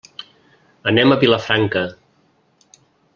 Anem a Vilafranca.